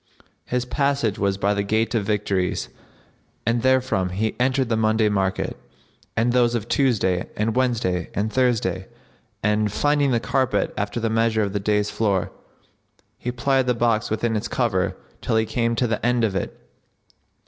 His passage was by the Gate of Victories[FN#63] and therefrom he entered the Monday market, and those of Tuesday and Wednesday and Thursday,[FN#64] and, finding the carpet after the measure of the dais floor,[FN#65] he plied the box within its cover till he came to the end of it.